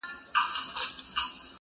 اوس مو خاندي غلیمان پر شړۍ ورو ورو!.